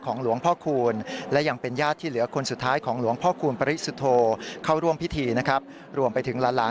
ของหลวงพ่อคูณและยังเป็นหญ้าที่เหลือคนสุดท้ายของหลวงพ่อคูณปริศุโธเข้าร่วมพิธีนะครับ